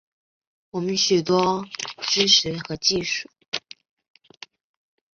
我们没有许多知识和技术